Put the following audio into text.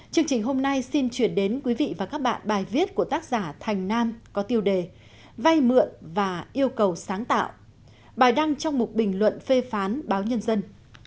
chương trình hôm nay xin chuyển đến quý vị và các bạn bài viết của tác giả thành nam có tiêu đề vay mượn và yêu cầu sáng tạo bài đăng trong một bình luận phê phán báo nhân dân